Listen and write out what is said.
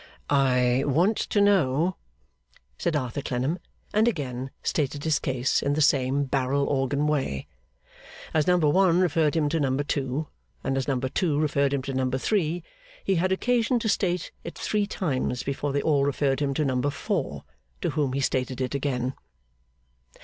'I want to know,' said Arthur Clennam, and again stated his case in the same barrel organ way. As number one referred him to number two, and as number two referred him to number three, he had occasion to state it three times before they all referred him to number four, to whom he stated it again.